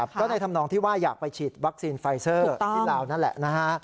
ก็ในธรรมนองที่ว่าอยากไปฉีดวัคซีนไฟเซอร์ที่ลาวนั่นแหละนะฮะ